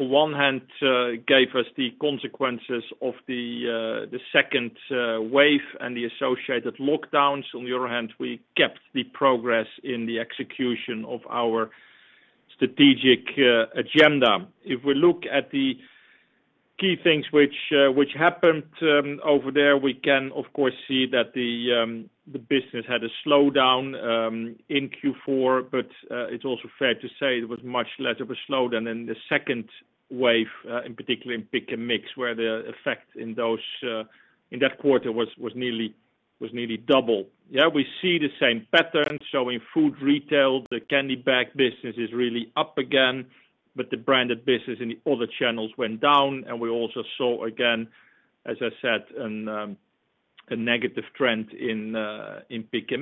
on one hand gave us the consequences of the second wave and the associated lockdowns. On the other hand, we kept the progress in the execution of our strategic agenda. If we look at the key things which happened over there, we can of course see that the business had a slowdown in Q4, but it's also fair to say it was much less of a slowdown than the second wave, in particular in Pick & Mix, where the effect in that quarter was nearly double. We see the same pattern showing food retail. The candy bag business is really up again, but the Branded business in the other channels went down, and we also saw again, as I said, a negative trend in Pick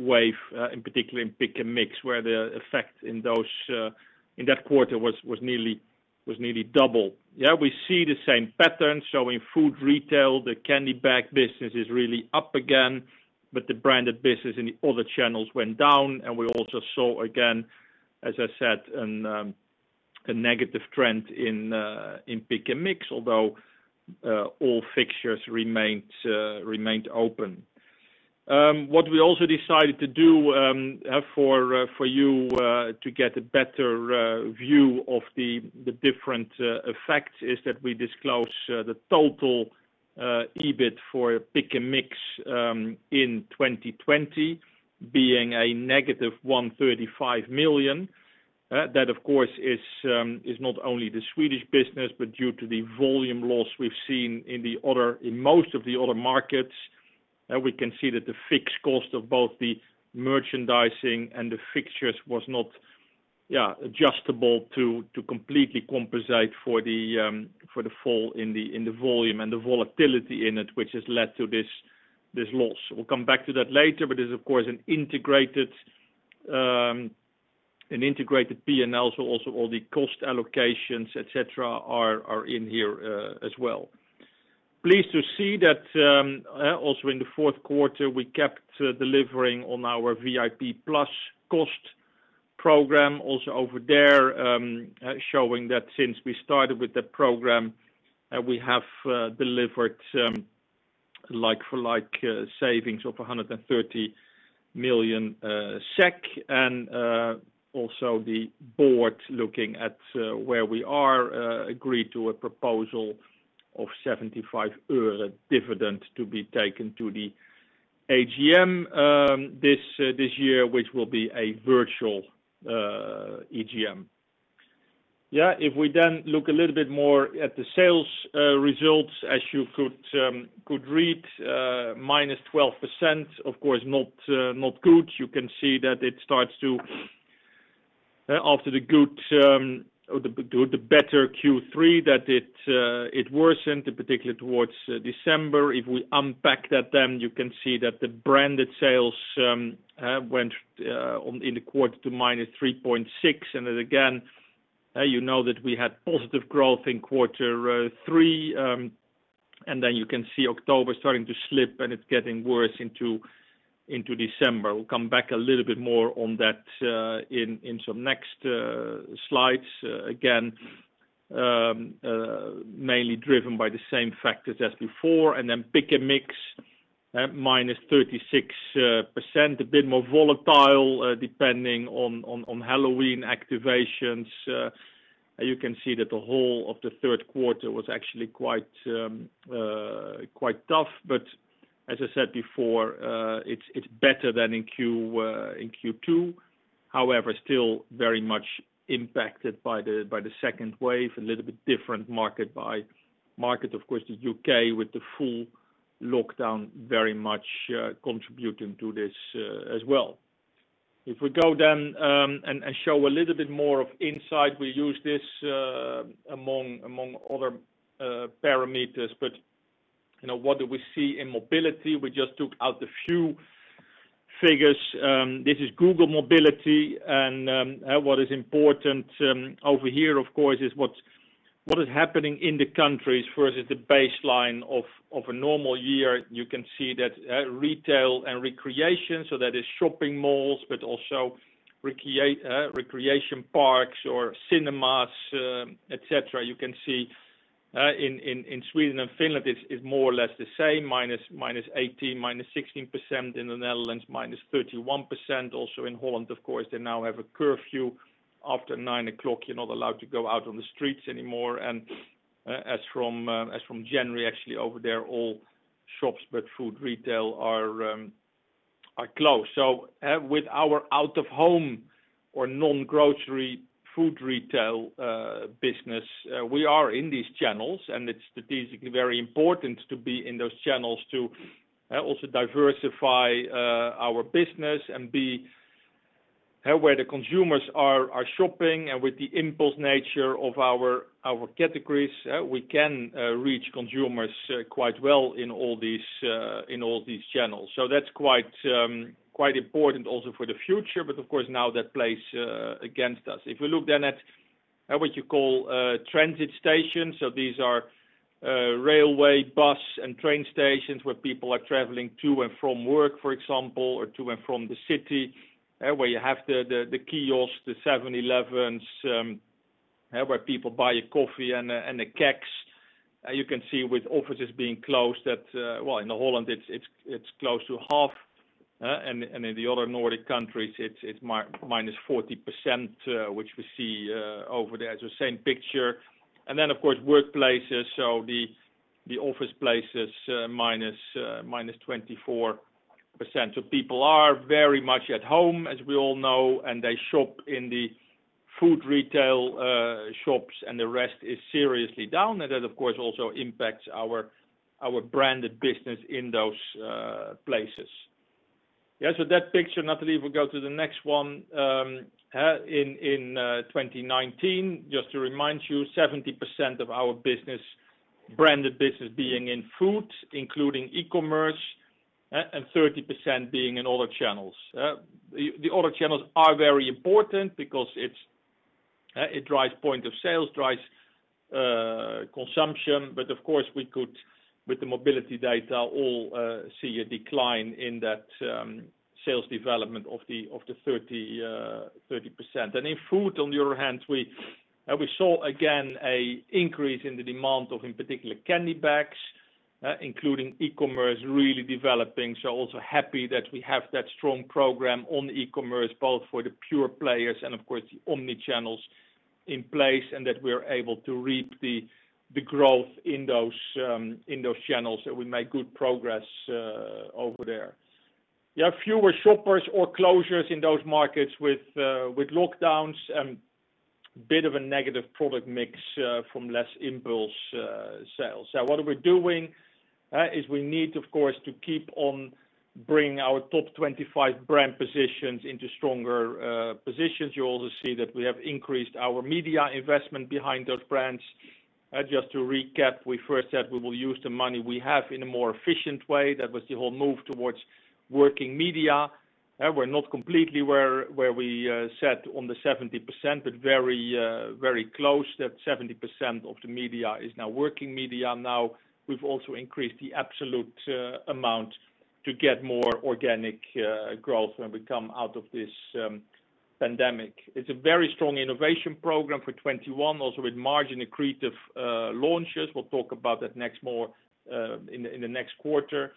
Mix, although all fixtures remained open. What we also decided to do for you to get a better view of the different effects is that we disclose the total EBIT for Pick & Mix in 2020 being a negative 135 million. That, of course, is not only the Swedish business but due to the volume loss we've seen in most of the other markets. We can see that the fixed cost of both the merchandising and the fixtures was not adjustable to completely compensate for the fall in the volume and the volatility in it, which has led to this loss. We'll come back to that later. It is of course an integrated P&L. All the cost allocations, et cetera, are in here as well. Pleased to see that also in the fourth quarter, we kept delivering on our VIP+ cost programme, also over there showing that since we started with the programme, we have delivered like for like savings of 130 million SEK. The board, looking at where we are, agreed to a proposal of SEK 0.75 dividend to be taken to the AGM this year, which will be a virtual AGM. If we look a little bit more at the sales results, as you could read, -12%, of course not good. You can see that it starts to after the good or the better Q3 that it worsened, in particular towards December. If we unpack that, you can see that the Branded sales went in the quarter to -3.6%. Again, you know that we had positive growth in Q3. You can see October starting to slip, and it's getting worse into December. We'll come back a little bit more on that in some next slides. Again, mainly driven by the same factors as before. Pick & Mix at -36%, a bit more volatile depending on Halloween activations. You can see that the whole of the third quarter was actually quite tough. As I said before, it's better than in Q2. However, still very much impacted by the second wave. A little bit different market by market, of course, the U.K. with the full lockdown very much contributing to this as well. If we go and show a little bit more of insight, we use this among other parameters. What do we see in mobility? We just took out a few figures. This is Google Mobility, and what is important over here, of course, is what is happening in the countries versus the baseline of a normal year. You can see that retail and recreation, so that is shopping malls, but also recreation parks or cinemas, et cetera. You can see in Sweden and Finland it's more or less the same, -18%, -16%. In the Netherlands, -31%. In Holland, of course, they now have a curfew. After 9:00 you're not allowed to go out on the streets anymore. As from January, actually, over there, all shops but food retail are closed. With our out-of-home or non-grocery food retail business, we are in these channels, and it's strategically very important to be in those channels to also diversify our business and be where the consumers are shopping. With the impulse nature of our categories, we can reach consumers quite well in all these channels. That's quite important also for the future but of course now that plays against us. What you call transit stations, these are railway, bus, and train stations where people are traveling to and from work, for example, or to and from the city, where you have the kiosks, the 7-Elevens, where people buy a coffee and the cakes. You can see with offices being closed that, well, in Holland it's close to half, and in the other Nordic countries it's -40%, which we see over there. It's the same picture. Of course, workplaces, so the office places, -24%. People are very much at home, as we all know, and they shop in the food retail shops, and the rest is seriously down. That, of course, also impacts our Branded business in those places. Yeah. That picture, Nathalie, if we go to the next one, in 2019, just to remind you, 70% of our business Branded being in food, including e-commerce, and 30% being in other channels. The other channels are very important because it drives point of sales, drives consumption. Of course, we could, with the mobility data, all see a decline in that sales development of the 30%. In food, on the other hand, we saw again a increase in the demand of, in particular, candy bags, including e-commerce really developing. Also happy that we have that strong program on e-commerce, both for the pure players and of course the omnichannels in place, and that we're able to reap the growth in those channels. We make good progress over there. Yeah, fewer shoppers or closures in those markets with lockdowns, and bit of a negative product mix from less impulse sales. What are we doing is we need, of course, to keep on bringing our top 25 brand positions into stronger positions. You also see that we have increased our media investment behind those brands. Just to recap, we first said we will use the money we have in a more efficient way. That was the whole move towards working media. We are not completely where we sat on the 70%, but very close. That 70% of the media is now working media. Now, we have also increased the absolute amount to get more organic growth when we come out of this pandemic. It is a very strong innovation program for 2021, also with margin-accretive launches. We will talk about that next more in the next quarter.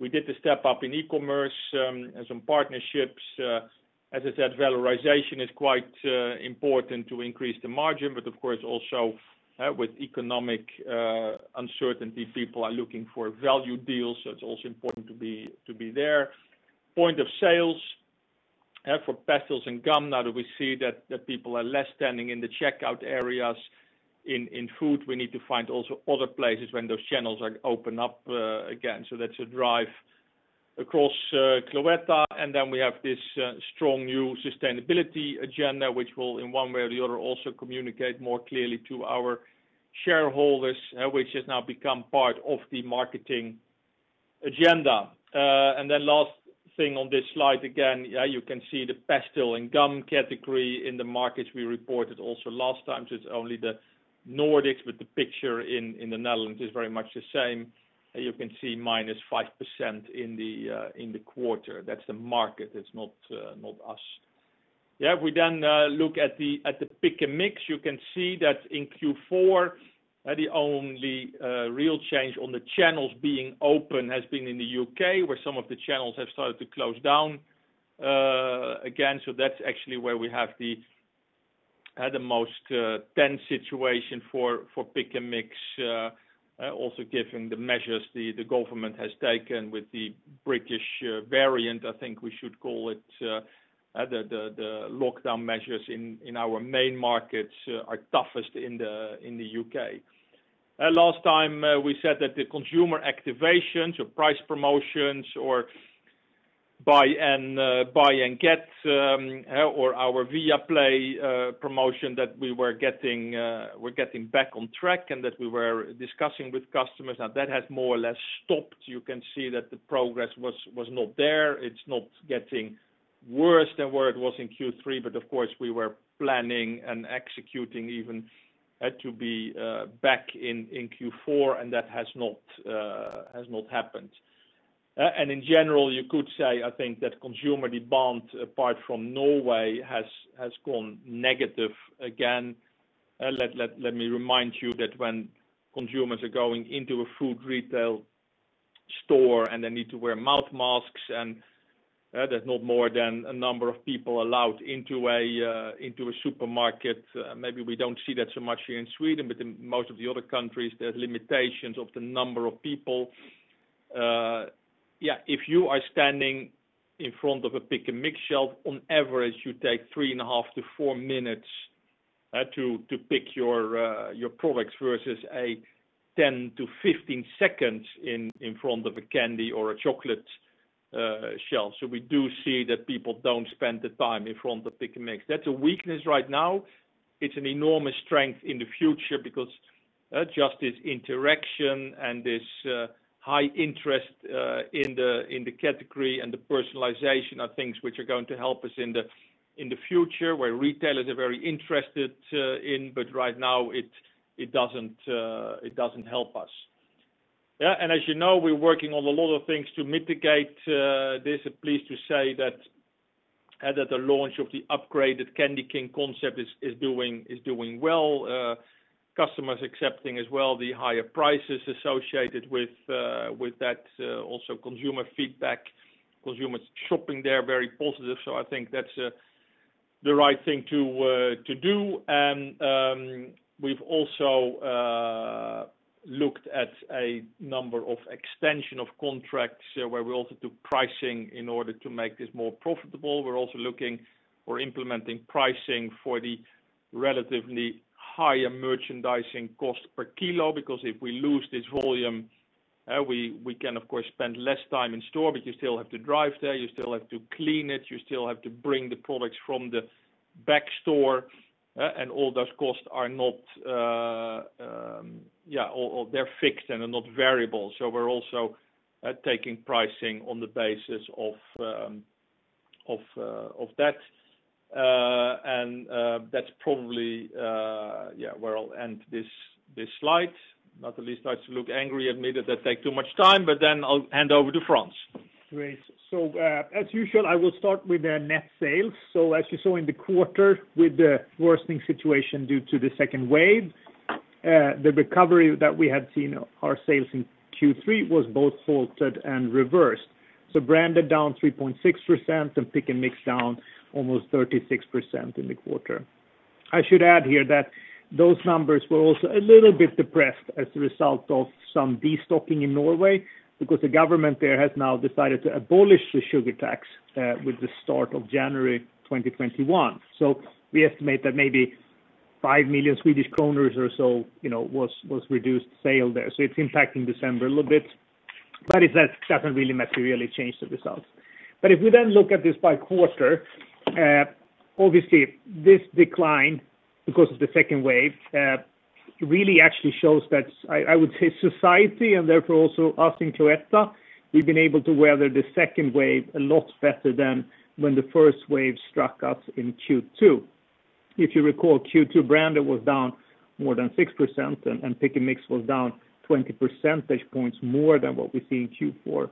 We did the step-up in e-commerce, and some partnerships. As I said, valorization is quite important to increase the margin, but of course also with economic uncertainty, people are looking for value deals, so it's also important to be there. Point of sales, for pastilles and gum, now that we see that people are less standing in the checkout areas, in food, we need to find also other places when those channels are opened up again. That's a drive across Cloetta. Then we have this strong new sustainability agenda, which will, in one way or the other, also communicate more clearly to our shareholders, which has now become part of the marketing agenda. Then last thing on this slide, again, you can see the pastille and gum category in the markets we reported also last time. It's only the Nordics, but the picture in the Netherlands is very much the same. You can see -5% in the quarter. That's the market, it's not us. Yeah. If we then look at the Pick & Mix, you can see that in Q4, the only real change on the channels being open has been in the U.K., where some of the channels have started to close down again. That's actually where we have the most tense situation for Pick & Mix. Also giving the measures the government has taken with the British variant, I think we should call it, the lockdown measures in our main markets are toughest in the U.K. Last time, we said that the consumer activations or price promotions or buy and get, or our Viaplay promotion that we're getting back on track, and that we were discussing with customers. Now, that has more or less stopped. You can see that the progress was not there. It's not getting worse than where it was in Q3, but of course, we were planning and executing even to be back in Q4, and that has not happened. In general, you could say, I think that consumer demand, apart from Norway, has gone negative again. Let me remind you that when consumers are going into a food retail store and they need to wear mouth masks, and there's not more than a number of people allowed into a supermarket. Maybe we don't see that so much here in Sweden, but in most of the other countries, there's limitations of the number of people. If you are standing in front of a Pick & Mix shelf, on average, you take three and a half to four minutes to pick your products versus a 10-15 seconds in front of a candy or a chocolate shelf. We do see that people don't spend the time in front of Pick & Mix. That's a weakness right now. It's an enormous strength in the future because just this interaction and this high interest in the category and the personalization are things which are going to help us in the future, where retailers are very interested in, but right now it doesn't help us. As you know, we're working on a lot of things to mitigate this. Pleased to say that the launch of the upgraded CandyKing concept is doing well. Customers accepting as well the higher prices associated with that. Consumer feedback, consumers shopping there, very positive. I think that's the right thing to do. We've also looked at a number of extension of contracts where we also do pricing in order to make this more profitable. We're also looking or implementing pricing for the relatively higher merchandising cost per kilo, because if we lose this volume, we can of course, spend less time in store, but you still have to drive there, you still have to clean it, you still have to bring the products from the back store. All those costs, they're fixed and are not variable. We're also taking pricing on the basis of that. That's probably where I'll end this slide. Nathalie starts to look angry at me that I take too much time, but then I'll hand over to Frans. Great. As usual, I will start with the net sales. As you saw in the quarter, with the worsening situation due to the second wave, the recovery that we had seen our sales in Q3 was both halted and reversed. Branded down 3.6% and Pick & Mix down almost 36% in the quarter. I should add here that those numbers were also a little bit depressed as a result of some destocking in Norway, because the government there has now decided to abolish the sugar tax with the start of January 2021. We estimate that maybe 5 million Swedish kronor or so was reduced sale there. It's impacting December a little bit, but that doesn't really materially change the results. If we then look at this by quarter, obviously this decline, because of the second wave, really actually shows that, I would say society and therefore also us in Cloetta, we've been able to weather the second wave a lot better than when the first wave struck us in Q2. If you recall, Q2 Branded was down more than 6% and Pick & Mix was down 20 percentage points more than what we see in Q4.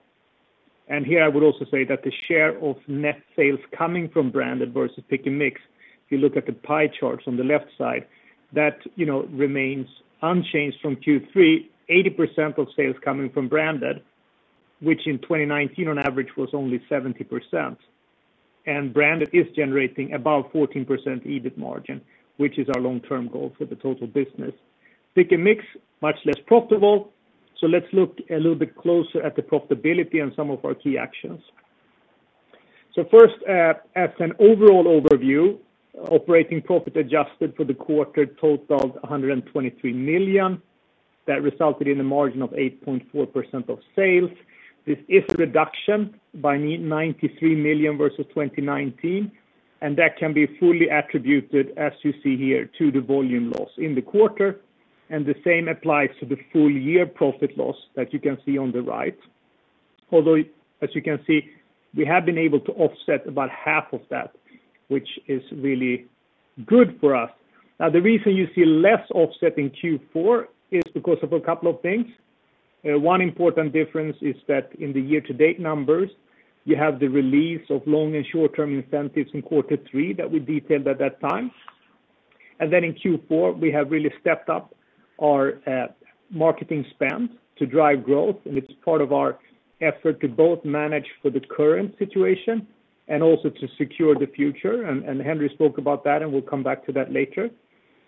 Here I would also say that the share of net sales coming from Branded versus Pick & Mix, if you look at the pie charts on the left side, that remains unchanged from Q3, 80% of sales coming from Branded, which in 2019 on average was only 70%. Branded is generating about 14% EBIT margin, which is our long-term goal for the total business. Pick & Mix, much less profitable. Let's look a little bit closer at the profitability and some of our key actions. First, as an overall overview, operating profit adjusted for the quarter totaled 123 million. That resulted in a margin of 8.4% of sales. This is a reduction by 93 million versus 2019, and that can be fully attributed, as you see here, to the volume loss in the quarter, and the same applies to the full year profit loss that you can see on the right. Although, as you can see, we have been able to offset about half of that, which is really good for us. The reason you see less offset in Q4 is because of a couple of things. One important difference is that in the year-to-date numbers, you have the release of long and short-term incentives in quarter three that we detailed at that time. Then in Q4, we have really stepped up our marketing spend to drive growth, and it's part of our effort to both manage for the current situation and also to secure the future. Henri spoke about that, and we'll come back to that later.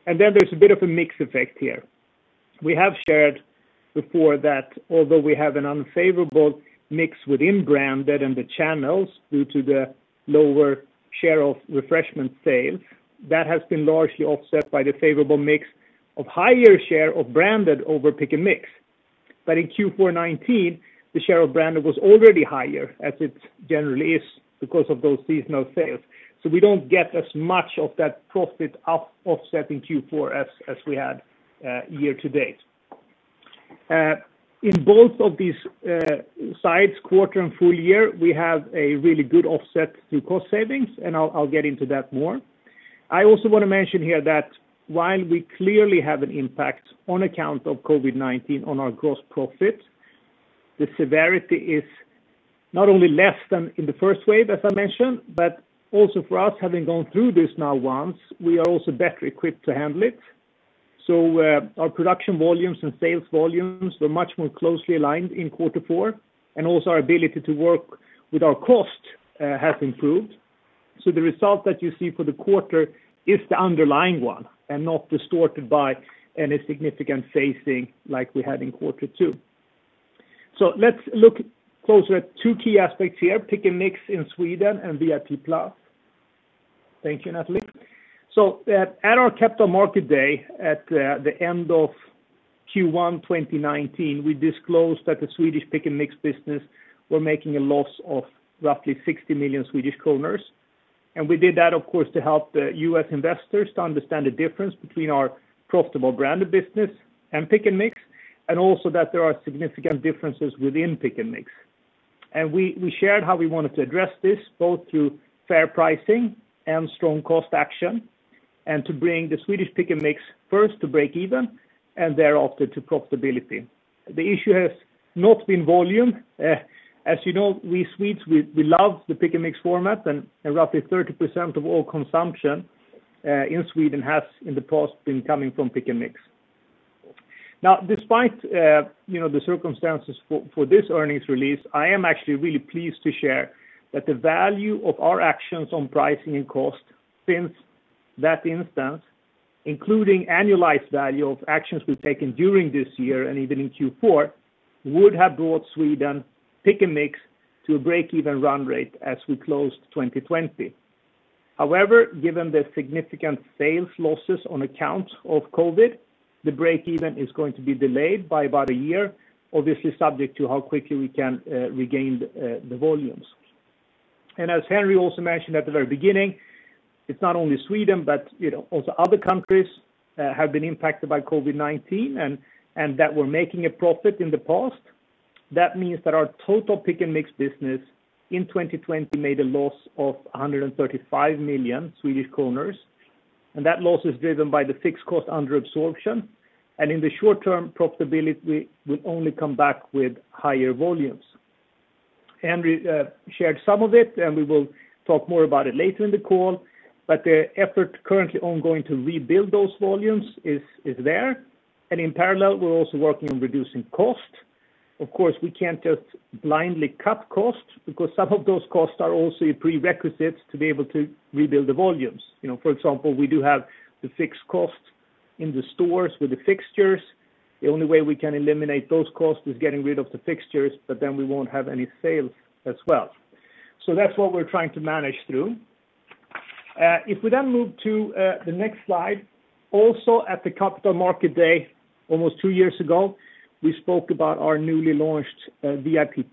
Then there's a bit of a mix effect here. We have shared before that although we have an unfavorable mix within Branded and the channels due to the lower share of refreshment sales, that has been largely offset by the favorable mix of higher share of Branded over Pick & Mix. In Q4 2019, the share of Branded was already higher, as it generally is because of those seasonal sales. We don't get as much of that profit offsetting Q4 as we had year to date. In both of these sides, quarter and full year, we have a really good offset through cost savings. I'll get into that more. I also want to mention here that while we clearly have an impact on account of COVID-19 on our gross profit, the severity is not only less than in the first wave, as I mentioned, but also for us, having gone through this now once, we are also better equipped to handle it. Our production volumes and sales volumes were much more closely aligned in quarter four, and also our ability to work with our cost has improved. The result that you see for the quarter is the underlying one and not distorted by any significant phasing like we had in quarter two. Let's look closer at two key aspects here, Pick & Mix in Sweden and VIP+. Thank you, Nathalie. At our Capital Markets Day at the end of Q1 2019, we disclosed that the Swedish Pick & Mix business was making a loss of roughly 60 million Swedish kronor. We did that, of course, to help the U.S. investors to understand the difference between our profitable Branded business and Pick & Mix, and also that there are significant differences within Pick & Mix. We shared how we wanted to address this, both through fair pricing and strong cost action, and to bring the Swedish Pick & Mix first to break even, and thereafter to profitability. The issue has not been volume. As you know, we Swedes, we love the Pick & Mix format, and roughly 30% of all consumption in Sweden has, in the past, been coming from Pick & Mix. Despite the circumstances for this earnings release, I am actually really pleased to share that the value of our actions on pricing and cost since that instance, including annualized value of actions we've taken during this year and even in Q4, would have brought Sweden Pick & Mix to a break-even run rate as we closed 2020. Given the significant sales losses on account of COVID, the break-even is going to be delayed by about one year, obviously subject to how quickly we can regain the volumes. As Henri also mentioned at the very beginning, it's not only Sweden, but also other countries have been impacted by COVID-19 and that were making a profit in the past. That means that our total Pick & Mix business in 2020 made a loss of 135 million Swedish kronor. That loss is driven by the fixed cost under absorption. In the short term, profitability will only come back with higher volumes. Henri shared some of it. We will talk more about it later in the call. The effort currently ongoing to rebuild those volumes is there. In parallel, we're also working on reducing cost. Of course, we can't just blindly cut costs because some of those costs are also a prerequisite to be able to rebuild the volumes. For example, we do have the fixed cost in the stores with the fixtures. The only way we can eliminate those costs is getting rid of the fixtures. Then we won't have any sales as well. That's what we're trying to manage through. Then move to the next slide, also at the Capital Markets Day, almost two years ago, we spoke about our newly launched VIP+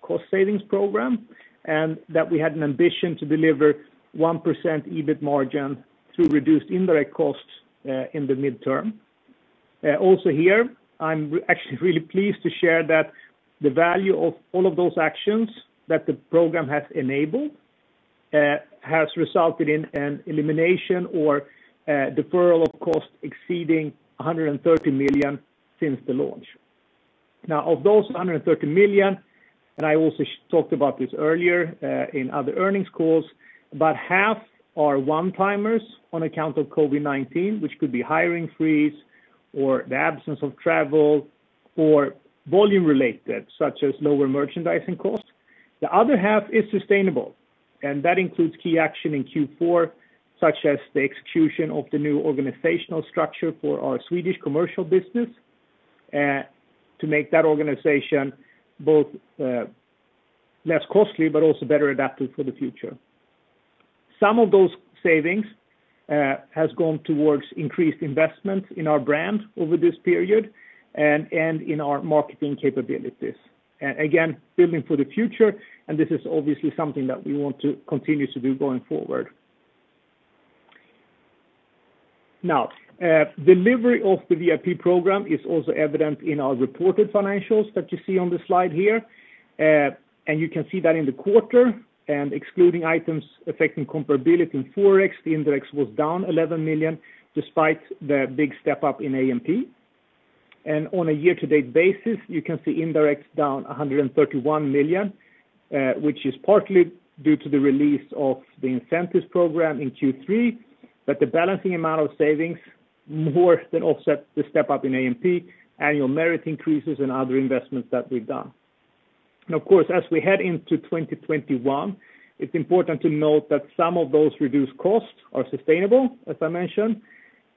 cost savings programme, and that we had an ambition to deliver 1% EBIT margin through reduced indirect costs in the midterm. Here, I'm actually really pleased to share that the value of all of those actions that the programme has enabled has resulted in an elimination or deferral of cost exceeding 130 million since the launch. Of those 130 million, and I also talked about this earlier in other earnings calls, about half are one-timers on account of COVID-19, which could be hiring freeze or the absence of travel or volume related, such as lower merchandising costs. The other half is sustainable, and that includes key action in Q4, such as the execution of the new organizational structure for our Swedish commercial business, to make that organization both less costly but also better adapted for the future. Some of those savings has gone towards increased investment in our brand over this period and in our marketing capabilities, again building for the future. This is obviously something that we want to continue to do going forward. Delivery of the VIP programme is also evident in our reported financials that you see on the slide here. You can see that in the quarter and excluding items affecting comparability in ForEx, the indirect was down 11 million despite the big step up in A&P. On a year-to-date basis, you can see indirect down 131 million, which is partly due to the release of the incentives programme in Q3, but the balancing amount of savings more than offset the step up in A&P, annual merit increases, and other investments that we've done. Of course, as we head into 2021, it is important to note that some of those reduced costs are sustainable, as I mentioned,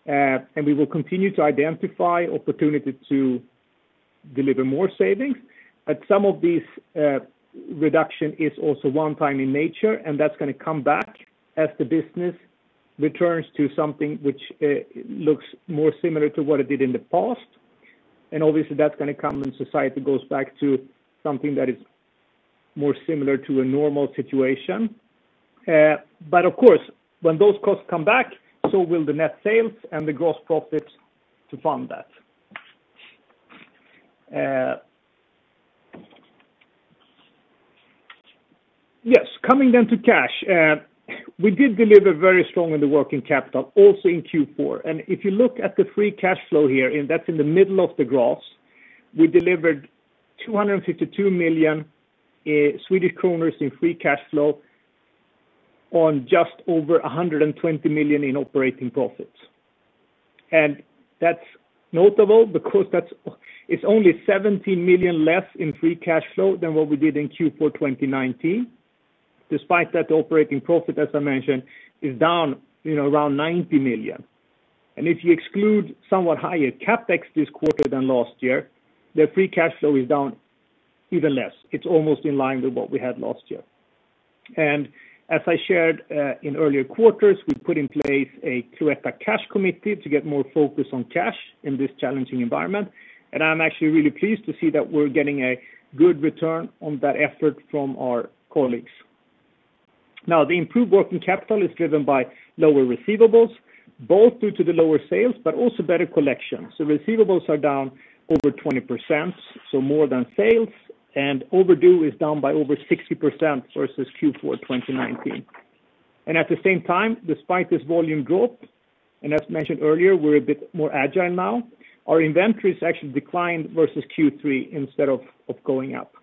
and we will continue to identify opportunity to deliver more savings. Some of these reduction is also one-time in nature, and that is going to come back as the business returns to something which looks more similar to what it did in the past. Obviously, that is going to come when society goes back to something that is more similar to a normal situation. Of course, when those costs come back, so will the net sales and the gross profits to fund that. Coming to cash. We did deliver very strong in the working capital also in Q4. If you look at the free cash flow here, that's in the middle of the graphs, we delivered 252 million Swedish kronor in free cash flow on just over 120 million in operating profits. That's notable because it's only 17 million less in free cash flow than what we did in Q4 2019. Despite that operating profit, as I mentioned, is down around 90 million. If you exclude somewhat higher CapEx this quarter than last year, their free cash flow is down even less. It's almost in line with what we had last year. As I shared in earlier quarters, we put in place a Cloetta cash committee to get more focus on cash in this challenging environment. I'm actually really pleased to see that we're getting a good return on that effort from our colleagues. The improved working capital is driven by lower receivables, both due to the lower sales, but also better collection. Receivables are down over 20%, so more than sales, and overdue is down by over 60% versus Q4 2019. At the same time, despite this volume drop, as mentioned earlier, we're a bit more agile now. Our inventories actually declined versus Q3 instead of going up.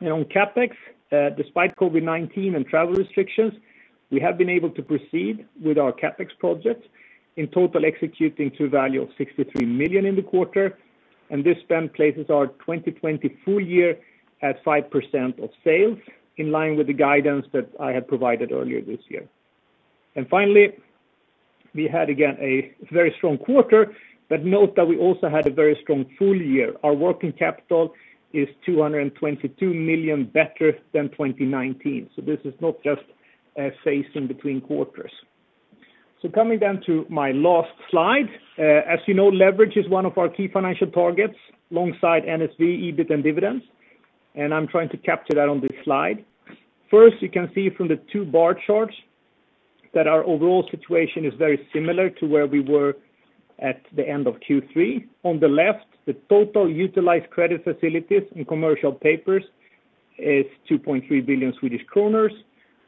On CapEx, despite COVID-19 and travel restrictions, we have been able to proceed with our CapEx projects, in total executing to a value of 63 million in the quarter. This spend places our 2020 full year at 5% of sales, in line with the guidance that I had provided earlier this year. Finally, we had again a very strong quarter, but note that we also had a very strong full year. Our working capital is 222 million better than 2019. This is not just a phase in between quarters. Coming down to my last slide. As you know, leverage is one of our key financial targets alongside NSV, EBIT, and dividends, and I'm trying to capture that on this slide. First, you can see from the two bar charts that our overall situation is very similar to where we were at the end of Q3. On the left, the total utilized credit facilities in commercial papers is 2.3 billion Swedish kronor,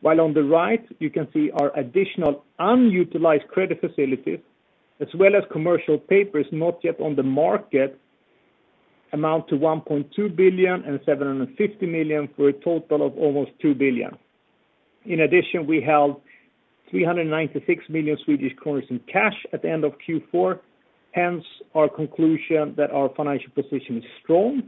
while on the right, you can see our additional unutilized credit facilities as well as commercial papers not yet on the market amount to 1.2 billion and 750 million for a total of almost 2 billion. In addition, we held 396 million in cash at the end of Q4, hence our conclusion that our financial position is strong.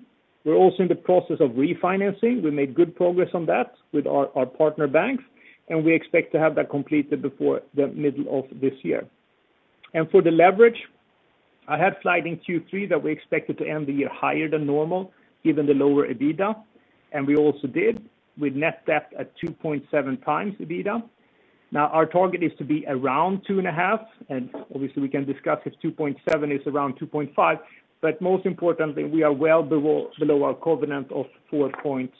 We're also in the process of refinancing. We made good progress on that with our partner banks, and we expect to have that completed before the middle of this year. For the leverage, I had a slide in Q3 that we expected to end the year higher than normal given the lower EBITDA, and we also did with net debt at 2.7x EBITDA. Now our target is to be around 2.5x. Obviously, we can discuss if 2.7x is around 2.5x, but most importantly, we are well below our covenant of 4.0x.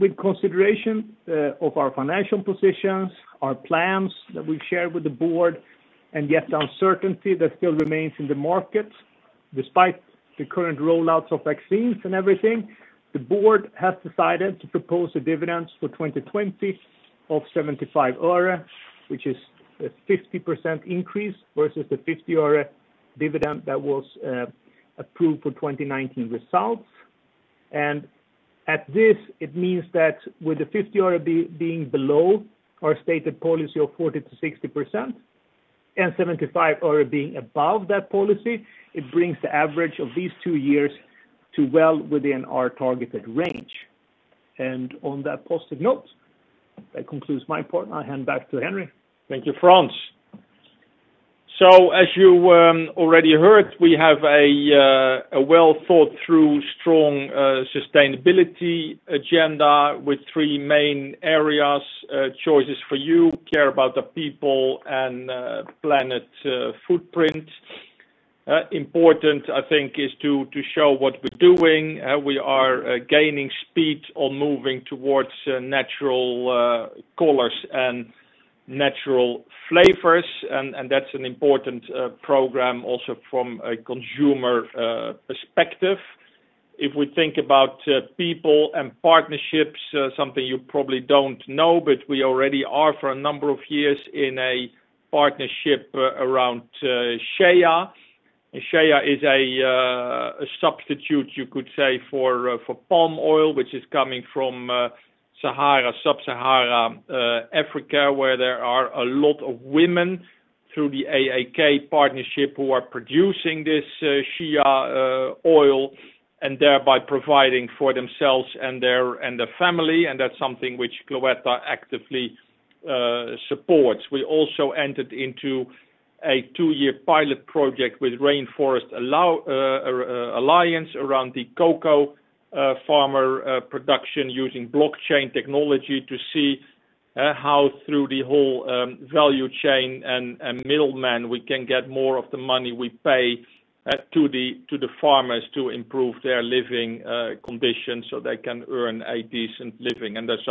With consideration of our financial positions, our plans that we've shared with the board, yet the uncertainty that still remains in the market, despite the current rollouts of vaccines and everything, the board has decided to propose a dividend for 2020 of SEK 0.75, which is a 50% increase versus the SEK 0.50 dividend that was approved for 2019 results. At this, it means that with the 0.50 being below our stated policy of 40%-60%, 0.75 being above that policy, it brings the average of these two years to well within our targeted range. On that positive note, that concludes my part. I hand back to Henri. Thank you, Frans. As you already heard, we have a well-thought-through, strong sustainability agenda with three main areas, choices for you, care about the people and planet footprint. Important, I think, is to show what we're doing. We are gaining speed on moving towards natural colors and natural flavors, and that's an important program also from a consumer perspective. If we think about people and partnerships, something you probably don't know, but we already are for a number of years in a partnership around shea. Shea is a substitute you could say for palm oil, which is coming from sub-Saharan Africa, where there are a lot of women through the AAK partnership who are producing this shea oil and thereby providing for themselves and their family, and that's something which Cloetta actively supports. We also entered into a two-year pilot project with Rainforest Alliance around the cocoa farmer production using blockchain technology to see how through the whole value chain and middlemen we can get more of the money we pay to the farmers to improve their living conditions so they can earn a decent living. There's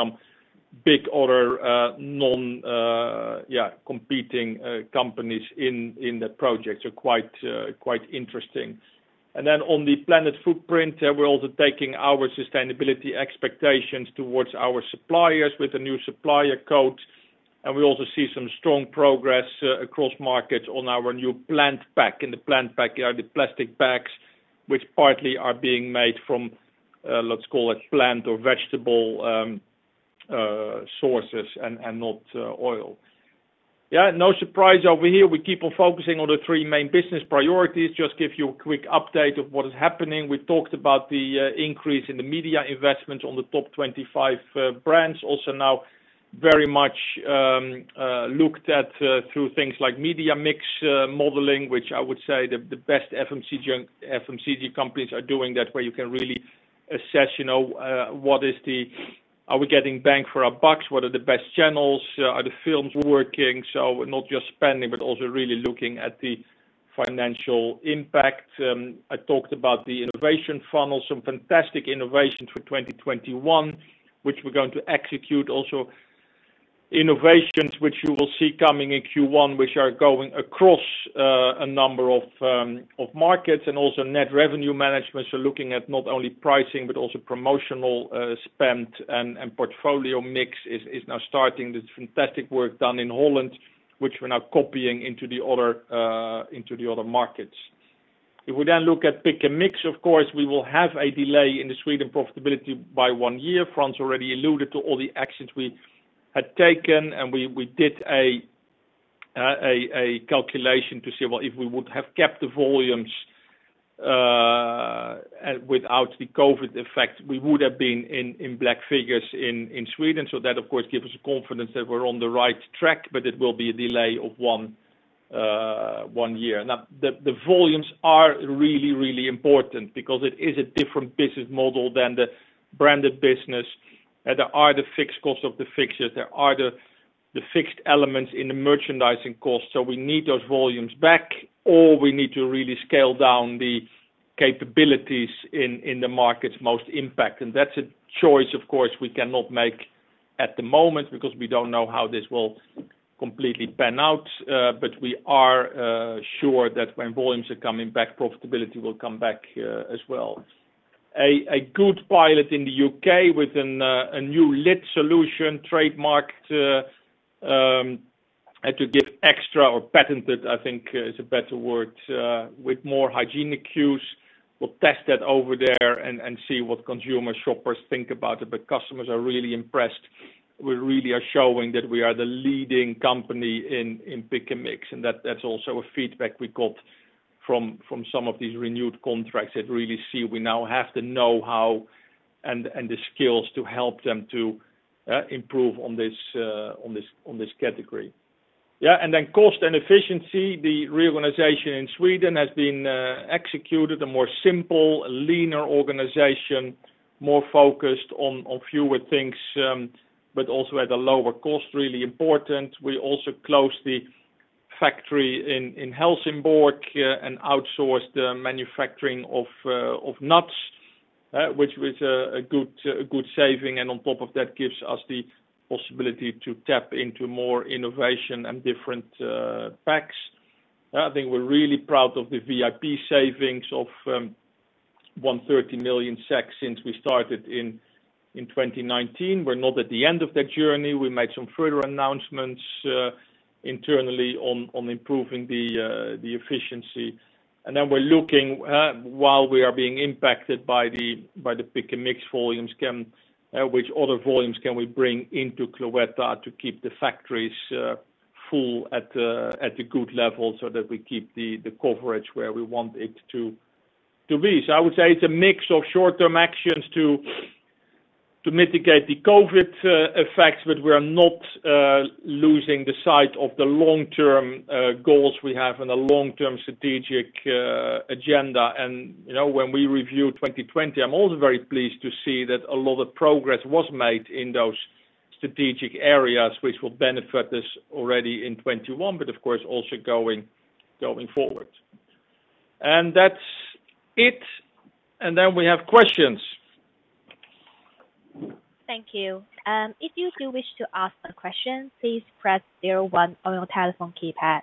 some big other non-competing companies in the project. Quite interesting. On the planet footprint, we're also taking our sustainability expectations towards our suppliers with a new supplier code. We also see some strong progress across markets on our new PlantPack. In the PlantPack are the plastic packs which partly are being made from, let's call it plant or vegetable sources and not oil. No surprise over here. We keep on focusing on the three main business priorities. Just give you a quick update of what is happening. We talked about the increase in the media investment on the top 25 brands. Now very much looked at through things like media mix modeling, which I would say the best FMCG companies are doing that, where you can really assess are we getting bang for our bucks? What are the best channels? Are the films working? Not just spending, but also really looking at the financial impact. I talked about the innovation funnel, some fantastic innovation for 2021, which we're going to execute. Innovations which you will see coming in Q1, which are going across a number of markets, and also net revenue management. Looking at not only pricing, but also promotional spend and portfolio mix is now starting the fantastic work done in Holland, which we're now copying into the other markets. We look at Pick & Mix, of course, we will have a delay in the Sweden profitability by one year. Frans already alluded to all the actions we had taken. We did a calculation to see, well, if we would have kept the volumes without the COVID effect, we would have been in black figures in Sweden. That of course gives us confidence that we're on the right track. It will be a delay of one year. The volumes are really important because it is a different business model than the Branded business. There are the fixed costs of the fixtures, there are the fixed elements in the merchandising cost. We need those volumes back, or we need to really scale down the capabilities in the markets most impact. That's a choice, of course, we cannot make at the moment because we don't know how this will completely pan out. We are sure that when volumes are coming back, profitability will come back here as well. A good pilot in the U.K. with a new lid solution trademarked to give extra or patented, I think, is a better word, with more hygiene cues. We'll test that over there and see what consumer shoppers think about it. Customers are really impressed. We really are showing that we are the leading company in Pick & Mix, and that's also a feedback we got from some of these renewed contracts that really see we now have the knowhow and the skills to help them to improve on this category. Cost and efficiency. The reorganization in Sweden has been executed, a more simple, linear organization, more focused on fewer things, but also at a lower cost, really important. We also closed the factory in Helsingborg and outsourced the manufacturing of nuts, which was a good saving, and on top of that gives us the possibility to tap into more innovation and different packs. I think we're really proud of the VIP savings of 130 million SEK since we started in 2019. We're not at the end of that journey. We made some further announcements internally on improving the efficiency. Then we're looking, while we are being impacted by the Pick & Mix volumes, which other volumes can we bring into Cloetta to keep the factories full at a good level so that we keep the coverage where we want it to be. I would say it's a mix of short-term actions to mitigate the COVID effects, but we are not losing the sight of the long-term goals we have and the long-term strategic agenda. When we review 2020, I'm also very pleased to see that a lot of progress was made in those strategic areas, which will benefit us already in 2021, but of course, also going forward. That's it. Then we have questions. Thank you. If you do wish to ask a question, please press zero one on your telephone keypad.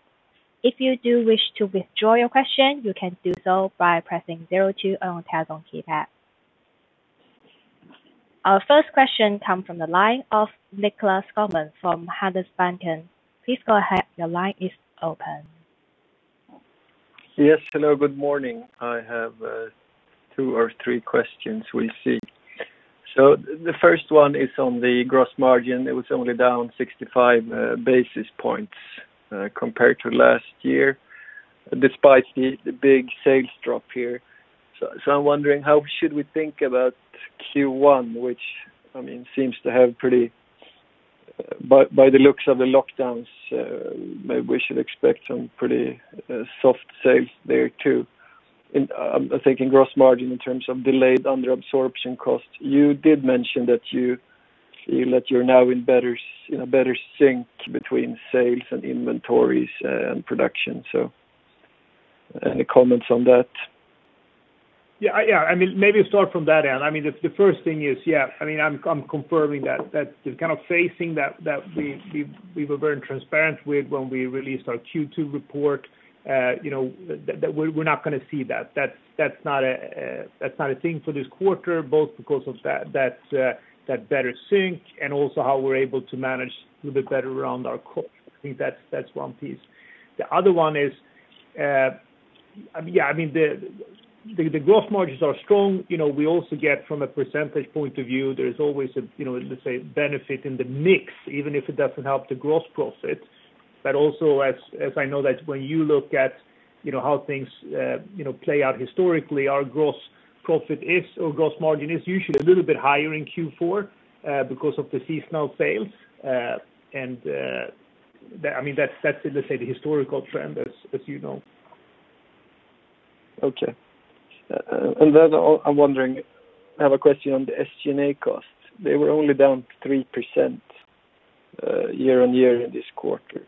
If you do wish to withdraw your question, you can do so by pressing zero two on your telephone keypad. Our first question come from the line of Nicklas Skogman from Handelsbanken. Please go ahead. Your line is open. Yes. Hello, good morning. I have two or three questions, we'll see. The first one is on the gross margin. It was only down 65 basis points compared to last year, despite the big sales drop here. I'm wondering how should we think about Q1, which, by the looks of the lockdowns, maybe we should expect some pretty soft sales there, too. I'm thinking gross margin in terms of delayed under absorption costs. You did mention that you're now in a better sync between sales and inventories and production. Any comments on that? Yeah. Maybe start from that end. The first thing is, yeah, I'm confirming that the kind of phasing that we were very transparent with when we released our Q2 report, that we're not going to see that. That's not a thing for this quarter, both because of that better sync and also how we're able to manage a little bit better around our costs. I think that's one piece. The other one is, the gross margins are strong. We also get from a percentage point of view, there is always, let's say, benefit in the mix, even if it doesn't help the gross profit. Also, as I know that when you look at how things play out historically, our gross profit is, or gross margin is usually a little bit higher in Q4 because of the seasonal sales. That's let's say, the historical trend as you know. Okay. I have a question on the SG&A costs. They were only down 3% year-on-year in this quarter.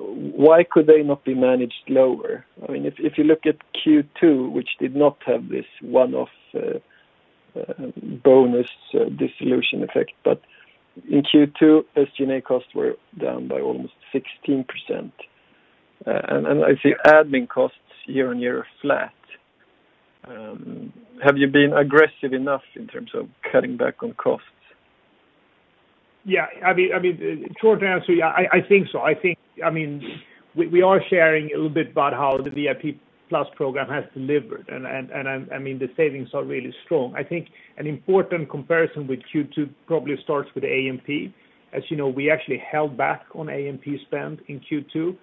Why could they not be managed lower? If you look at Q2, which did not have this one-off bonus dissolution effect, but in Q2, SG&A costs were down by almost 16%. I see admin costs year-on-year are flat. Have you been aggressive enough in terms of cutting back on costs? Yeah. Short answer, I think so. We are sharing a little bit about how the VIP+ programme has delivered, the savings are really strong. I think an important comparison with Q2 probably starts with A&P. As you know, we actually held back on A&P spend in Q2.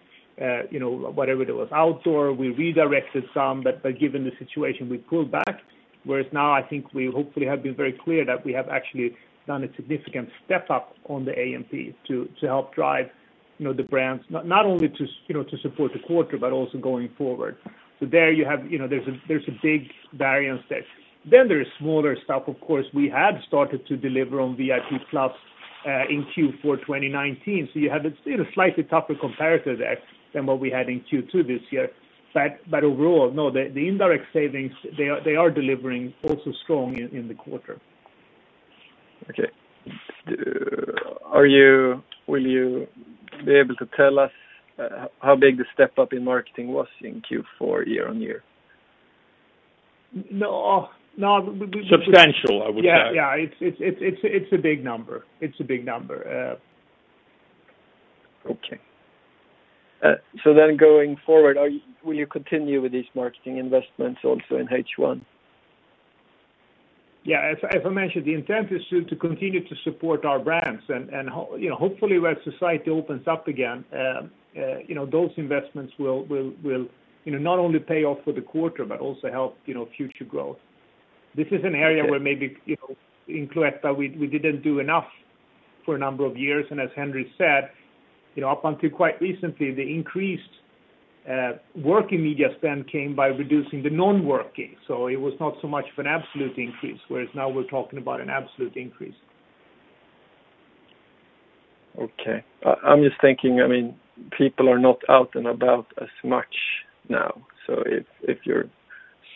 Whatever there was outdoor, we redirected some, given the situation, we pulled back. Now I think we hopefully have been very clear that we have actually done a significant step up on the A&P to help drive the brands. Not only to support the quarter, but also going forward. There, there's a big variance there. There is smaller stuff, of course. We had started to deliver on VIP+ in Q4 2019. You have a slightly tougher comparator there than what we had in Q2 this year. Overall, no, the indirect savings, they are delivering also strong in the quarter. Okay. Will you be able to tell us how big the step up in marketing was in Q4 year-on-year? No. Substantial, I would say. Yeah. It's a big number. Okay. Going forward, will you continue with these marketing investments also in H1? Yeah. As I mentioned, the intent is to continue to support our brands, and hopefully when society opens up again, those investments will not only pay off for the quarter, but also help future growth. This is an area where maybe in Cloetta, we didn't do enough for a number of years. As Henri said, up until quite recently, the increased working media spend came by reducing the non-working. It was not so much of an absolute increase, whereas now we're talking about an absolute increase. Okay. I'm just thinking, people are not out and about as much now. If you're